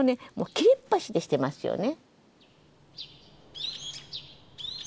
切れっ端でしてますよね。